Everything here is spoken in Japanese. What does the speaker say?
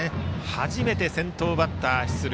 初めて先頭バッターが出塁。